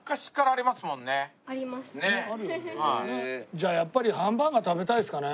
じゃあやっぱりハンバーガー食べたいですかね。